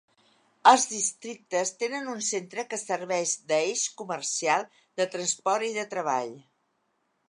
Els districtes tenen un centre que serveix de eix comercial, de transport i de treball.